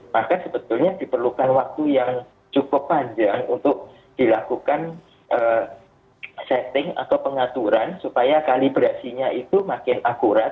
maka sebetulnya diperlukan waktu yang cukup panjang untuk dilakukan setting atau pengaturan supaya kalibrasinya itu makin akurat